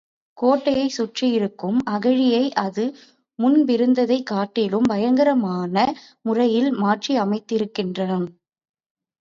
கோட்டையைச் சுற்றியிருக்கும் அகழியை அது முன்பிருந்ததைக் காட்டிலும் பயங்கரமான முறையில் மாற்றி அமைத்திருக்கிறான்.